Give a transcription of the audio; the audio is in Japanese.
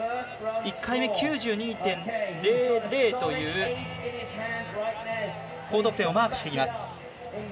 １回目、９２．００という高得点をマークしてきます。